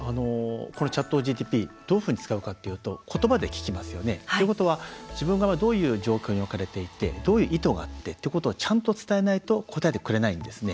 このＣｈａｔＧＰＴどういうふうに使うかっていうと言葉で聞きますよね。ということは、自分がどういう状況に置かれていてどういう意図があってっていうことをちゃんと伝えないと答えてくれないんですね。